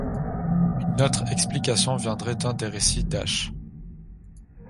Une autre explication viendrait d'un des récits d'H.